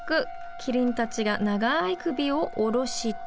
キリンたちがながいくびをおろして。